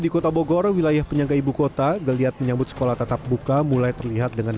di kota bogor wilayah penyangga ibukota geliat menyambut sekolah tetap buka mulai terlihat dengan